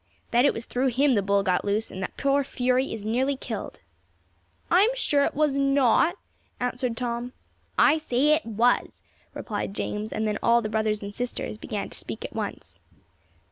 "That it was through him the bull got loose, and that poor Fury is nearly killed." "I am sure it was not," answered Tom. "I say it was," replied James; and then all the brothers and sisters began to speak at once.